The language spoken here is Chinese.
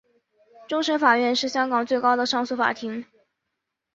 终审法院是香港最高的上诉法院。